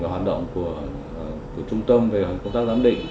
hoạt động của trung tâm về công tác giám định